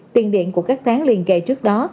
tiền điện của các tháng liên kệ trước đó